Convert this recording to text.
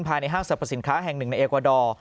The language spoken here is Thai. ห้างสรรพสินค้าแห่งหนึ่งในเอกวาดอร์